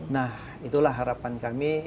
nah itulah harapan kami